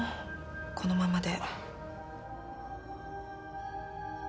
このままで。